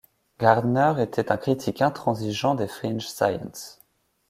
Gardner était un critique intransigeant des fringe science.